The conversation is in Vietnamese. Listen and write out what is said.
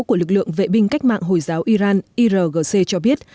của lực lượng vệ binh cách mạng hồi giáo iran irgc cho biết